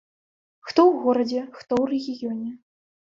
Хто ў горадзе, хто ў рэгіёне.